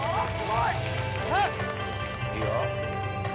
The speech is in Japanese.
いいよ。